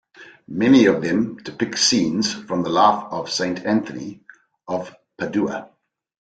Many of them depict scenes from the life of Saint Anthony of Padua.